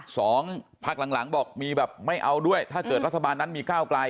สองพักหลังหลังบอกมีแบบไม่เอาด้วยถ้าเกิดรัฐบาลนั้นมีก้าวไกล